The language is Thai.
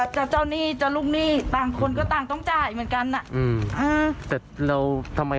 จะเจ้าหนี้จะลูกหนี้ต่างคนก็ต่างต้องจ่ายเหมือนกันนะแล้วทำไม